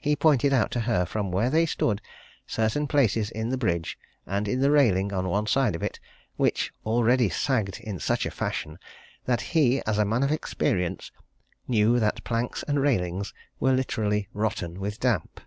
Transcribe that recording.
He pointed out to her from where they stood certain places in the bridge, and in the railing on one side of it, which already sagged in such a fashion, that he, as a man of experience, knew that planks and railings were literally rotten with damp.